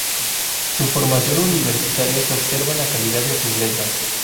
Su formación universitaria se observa en la calidad de sus letras.